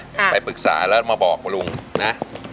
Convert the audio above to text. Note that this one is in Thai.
ลุงไปมีปรึกษาละมาบอกลุงละ